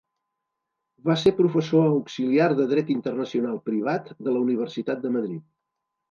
Va ser professor auxiliar de Dret Internacional Privat de la Universitat de Madrid.